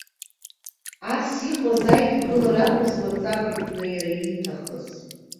Ас иҟаз аидгылара акәызма, ҵабыргны, иара ииҭахыз?